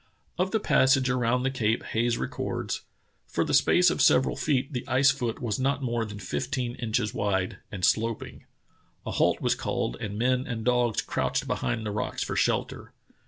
Of the passage around the cape Hayes records: "For the space of several feet the ice foot was not more than fifteen inches wide, and sloping, A halt was called and men and dogs crouched behind the rocks for shelter.